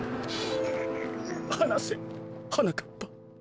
はなせはなかっぱ。